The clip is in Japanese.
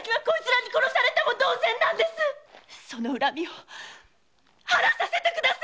その恨みを晴らさせてください！